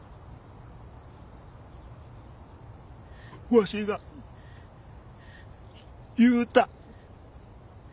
わしが言うた。